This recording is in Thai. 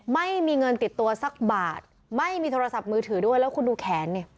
ไม่มีเงินติดตัวสักบาทไม่มีโทรศัพท์มือถือด้วยแล้วคุณดูแขนนี่